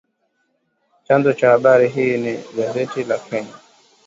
Chanzo cha habari hii ni gazeti la Kenya